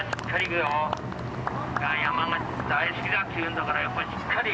お前、山が大好きだっていうんだから、やっぱりしっかり。